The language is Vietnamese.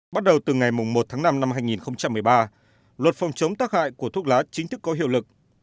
bắt đầu từ ngày một tháng năm năm hai nghìn một mươi ba luật phòng chống tác hại của thuốc lá chính thức có hiệu lực